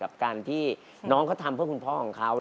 กับการที่น้องเขาทำเพื่อคุณพ่อของเขา